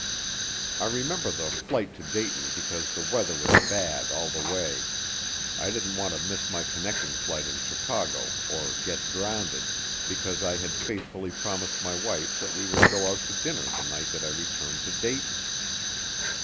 I remember the flight to Dayton because the weather was bad all the way. I didn't want to miss my connecting flight in Chicago, or get grounded, because I had faithfully promised my wife that we would go out to dinner the night that I returned to Dayton.